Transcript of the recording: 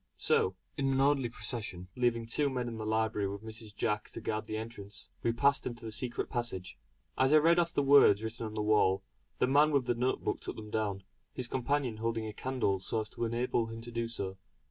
So, in an orderly procession, leaving two men in the library with Mrs. Jack to guard the entrance, we passed into the secret passage. As I read off the words written on the wall, the man with the note book took them down, his companion holding a candle so as to enable him to do so.